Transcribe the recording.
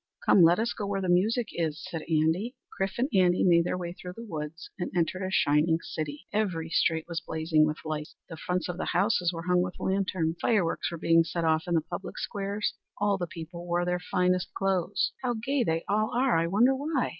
"Come, let us go where the music is!" said Andy. Chrif and Andy made their way through the woods and entered a shining city. Every street was blazing with lights; the fronts of the houses were hung with lanterns; fireworks were being set off in the public squares. All the people wore their finest clothes. "How gay they all are! I wonder why?"